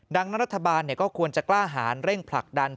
ดังนั้นรัฐบาลก็ควรจะกล้าหารเร่งผลักดัน